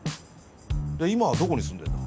で今はどこに住んでるんだ？